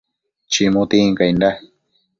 chimu tincainda